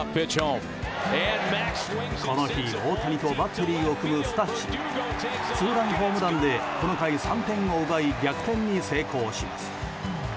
この日、大谷とバッテリーを組むスタッシがツーランホームランでこの回３点を奪い逆転に成功します。